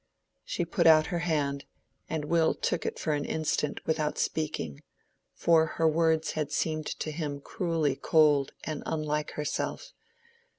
She put out her hand, and Will took it for an instant without speaking, for her words had seemed to him cruelly cold and unlike herself.